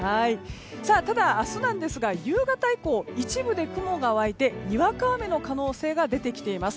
ただ、明日ですが夕方以降一部で雲が湧いてにわか雨の可能性が出てきています。